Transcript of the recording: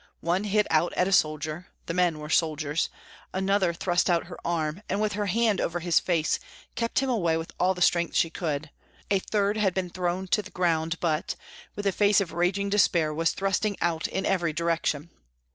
One hit out at a soldier the men were soldiers another thrust out her arm, and with her hand over his face, kept him away with all the strength she could, a third had been thrown to the ground, but, with a face of raging despair was thrusting out in every direction.